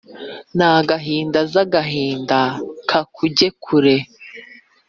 N’agahinda nzagahinda kakujye kure